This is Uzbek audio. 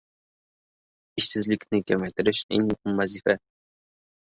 Ishsizlikni kamaytirish eng muhim vazifa